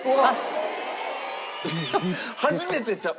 初めてちゃう？